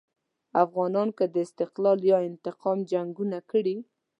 افغانانو که د استقلال یا انتقام جنګونه کړي.